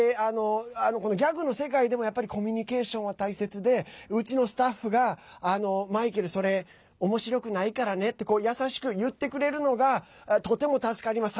ギャグの世界でもコミュニケーションは大切でうちのスタッフが、マイケルそれ、おもしろくないからねって優しく言ってくれるのがとても助かります。